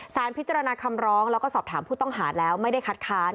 พิจารณาคำร้องแล้วก็สอบถามผู้ต้องหาแล้วไม่ได้คัดค้าน